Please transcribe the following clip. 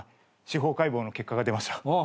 司法解剖の結果が出ました。